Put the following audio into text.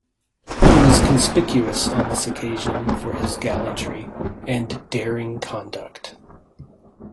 He was conspicuous on this occasion for his gallantry, and daring conduct.